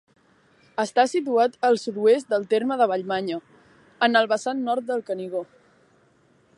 Està situat al sud-oest del terme de Vallmanya, en el vessant nord del Canigó.